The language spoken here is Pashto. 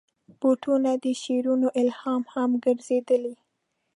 بوټونه د شعرونو الهام هم ګرځېدلي.